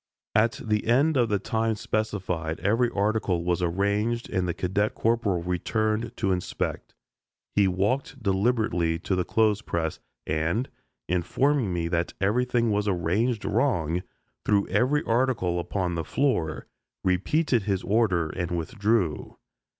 At the end of the time specified every article was arranged and the cadet corporal returned to inspect. He walked deliberately to the clothes press, and, informing me that everything was arranged wrong, threw every article upon the floor, repeated his order and withdrew.